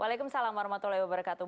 waalaikumsalam warahmatullahi wabarakatuh